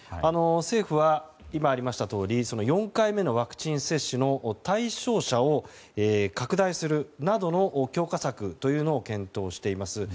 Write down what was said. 政府は今ありましたとおり４回目のワクチン接種の対象者を拡大するなどの強化策というのを検討しています。